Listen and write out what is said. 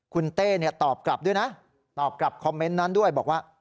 คุณเต้ตอบกลับด้วยนะตอบกลับคอมเมนต์นั้นด้วยบอกว่า